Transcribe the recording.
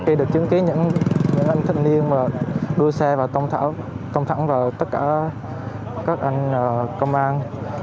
khi được chứng kiến những anh thân niên đua xe và tông thẳng vào tất cả các anh công an